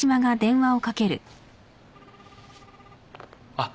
あっ。